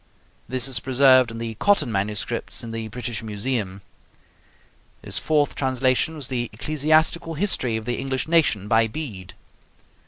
This is preserved in the Cotton MSS. in the British Museum. His fourth translation was the 'Ecclesiastical History of the English Nation,' by Bede.